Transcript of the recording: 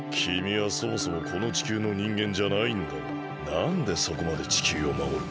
なんでそこまで地球をまもる？